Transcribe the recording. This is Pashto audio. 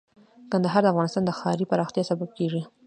کندهار د افغانستان د ښاري پراختیا سبب کېږي.